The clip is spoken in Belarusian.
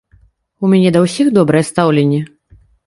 У мяне да ўсіх добрае стаўленне.